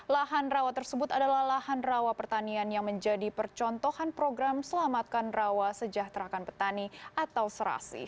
lahan rawa tersebut adalah lahan rawa pertanian yang menjadi percontohan program selamatkan rawa sejahterakan petani atau serasi